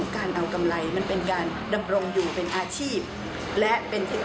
เขาตามบอกมาแล้วว่า